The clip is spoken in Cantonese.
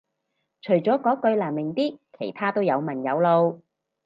除咗嗰句難明啲其他都有文有路